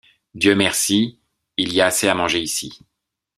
Dieu merci! il y a assez à manger ici !...